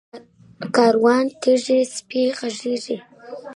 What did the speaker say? ـ کاروان تېريږي سپي غپيږي.